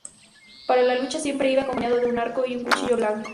Para la lucha siempre iba acompañado de un arco y un cuchillo blanco.